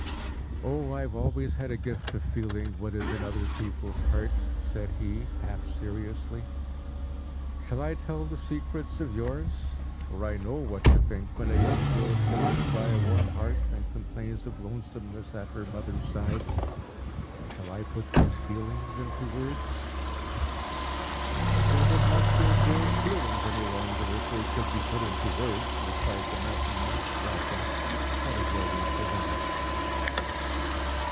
"O, I have always had a gift of feeling what is in other people's hearts!" said he, half seriously. "Shall I tell the secrets of yours? For I know what to think, when a young girl shivers by a warm hearth, and complains of lonesomeness at her mother's side. Shall I put these feelings into words?" "They would not be a girl's feelings any longer, if they could be put into words," replied the mountain nymph, laughing, but avoiding his eye.